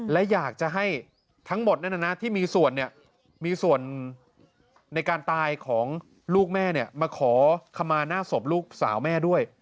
และอยากจะให้ทั้งหมดที่มีส่วนในการตายของลูกแม่มาขอคำมาหน้าสอบลูกสาวแม่ด้วย